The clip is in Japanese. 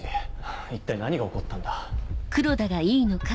一体何が起こったんだ。